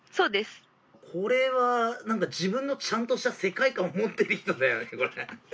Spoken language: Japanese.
これは自分のちゃんとした世界観を持っている人だよね。